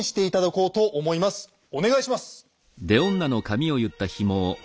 お願いします。